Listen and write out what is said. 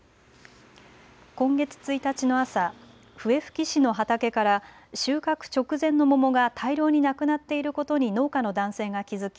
今月１日の朝、笛吹市の畑から収穫直前の桃が大量になくなっていることに農家の男性が気付き